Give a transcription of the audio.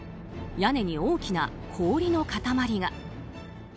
屋根に大きな氷の塊が。